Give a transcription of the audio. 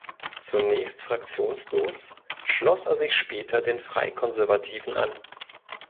Zunächst fraktionslos, schloss er sich später den Freikonservativen an.